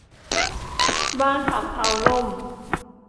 บ้านสำเภาล่ม